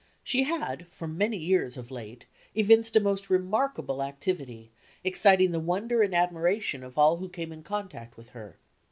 She had, for many years of late, evinced a most remarkable activity, excit ing the wonder and admiration of all who came in contact with her.